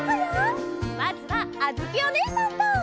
まずはあづきおねえさんと。